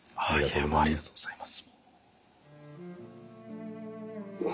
ありがとうございます。